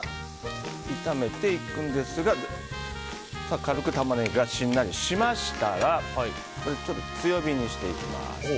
軽くタマネギがしんなりしましたらちょっと強火にしていきます。